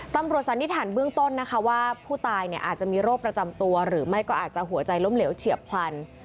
สันนิษฐานเบื้องต้นนะคะว่าผู้ตายอาจจะมีโรคประจำตัวหรือไม่ก็อาจจะหัวใจล้มเหลวเฉียบพลัน